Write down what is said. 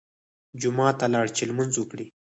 جومات ته لاړ چې لمونځ وکړي.